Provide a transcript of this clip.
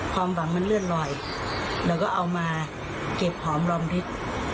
ความฝังมันเลื่อนรอยเราก็เอามาเก็บผอมรอบฤทธิ์